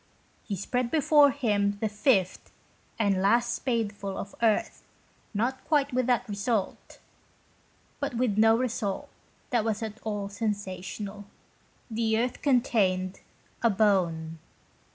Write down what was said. He spread before him the fifth and last spadeful of earth, not quite without result, but with no result that was at all sensational. The earth contained a bone.